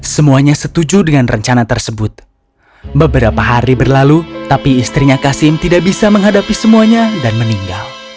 semuanya setuju dengan rencana tersebut beberapa hari berlalu tapi istrinya kasim tidak bisa menghadapi semuanya dan meninggal